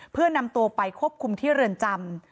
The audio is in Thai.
เพื่อนำตัวไปควบคุมที่เรือนจำ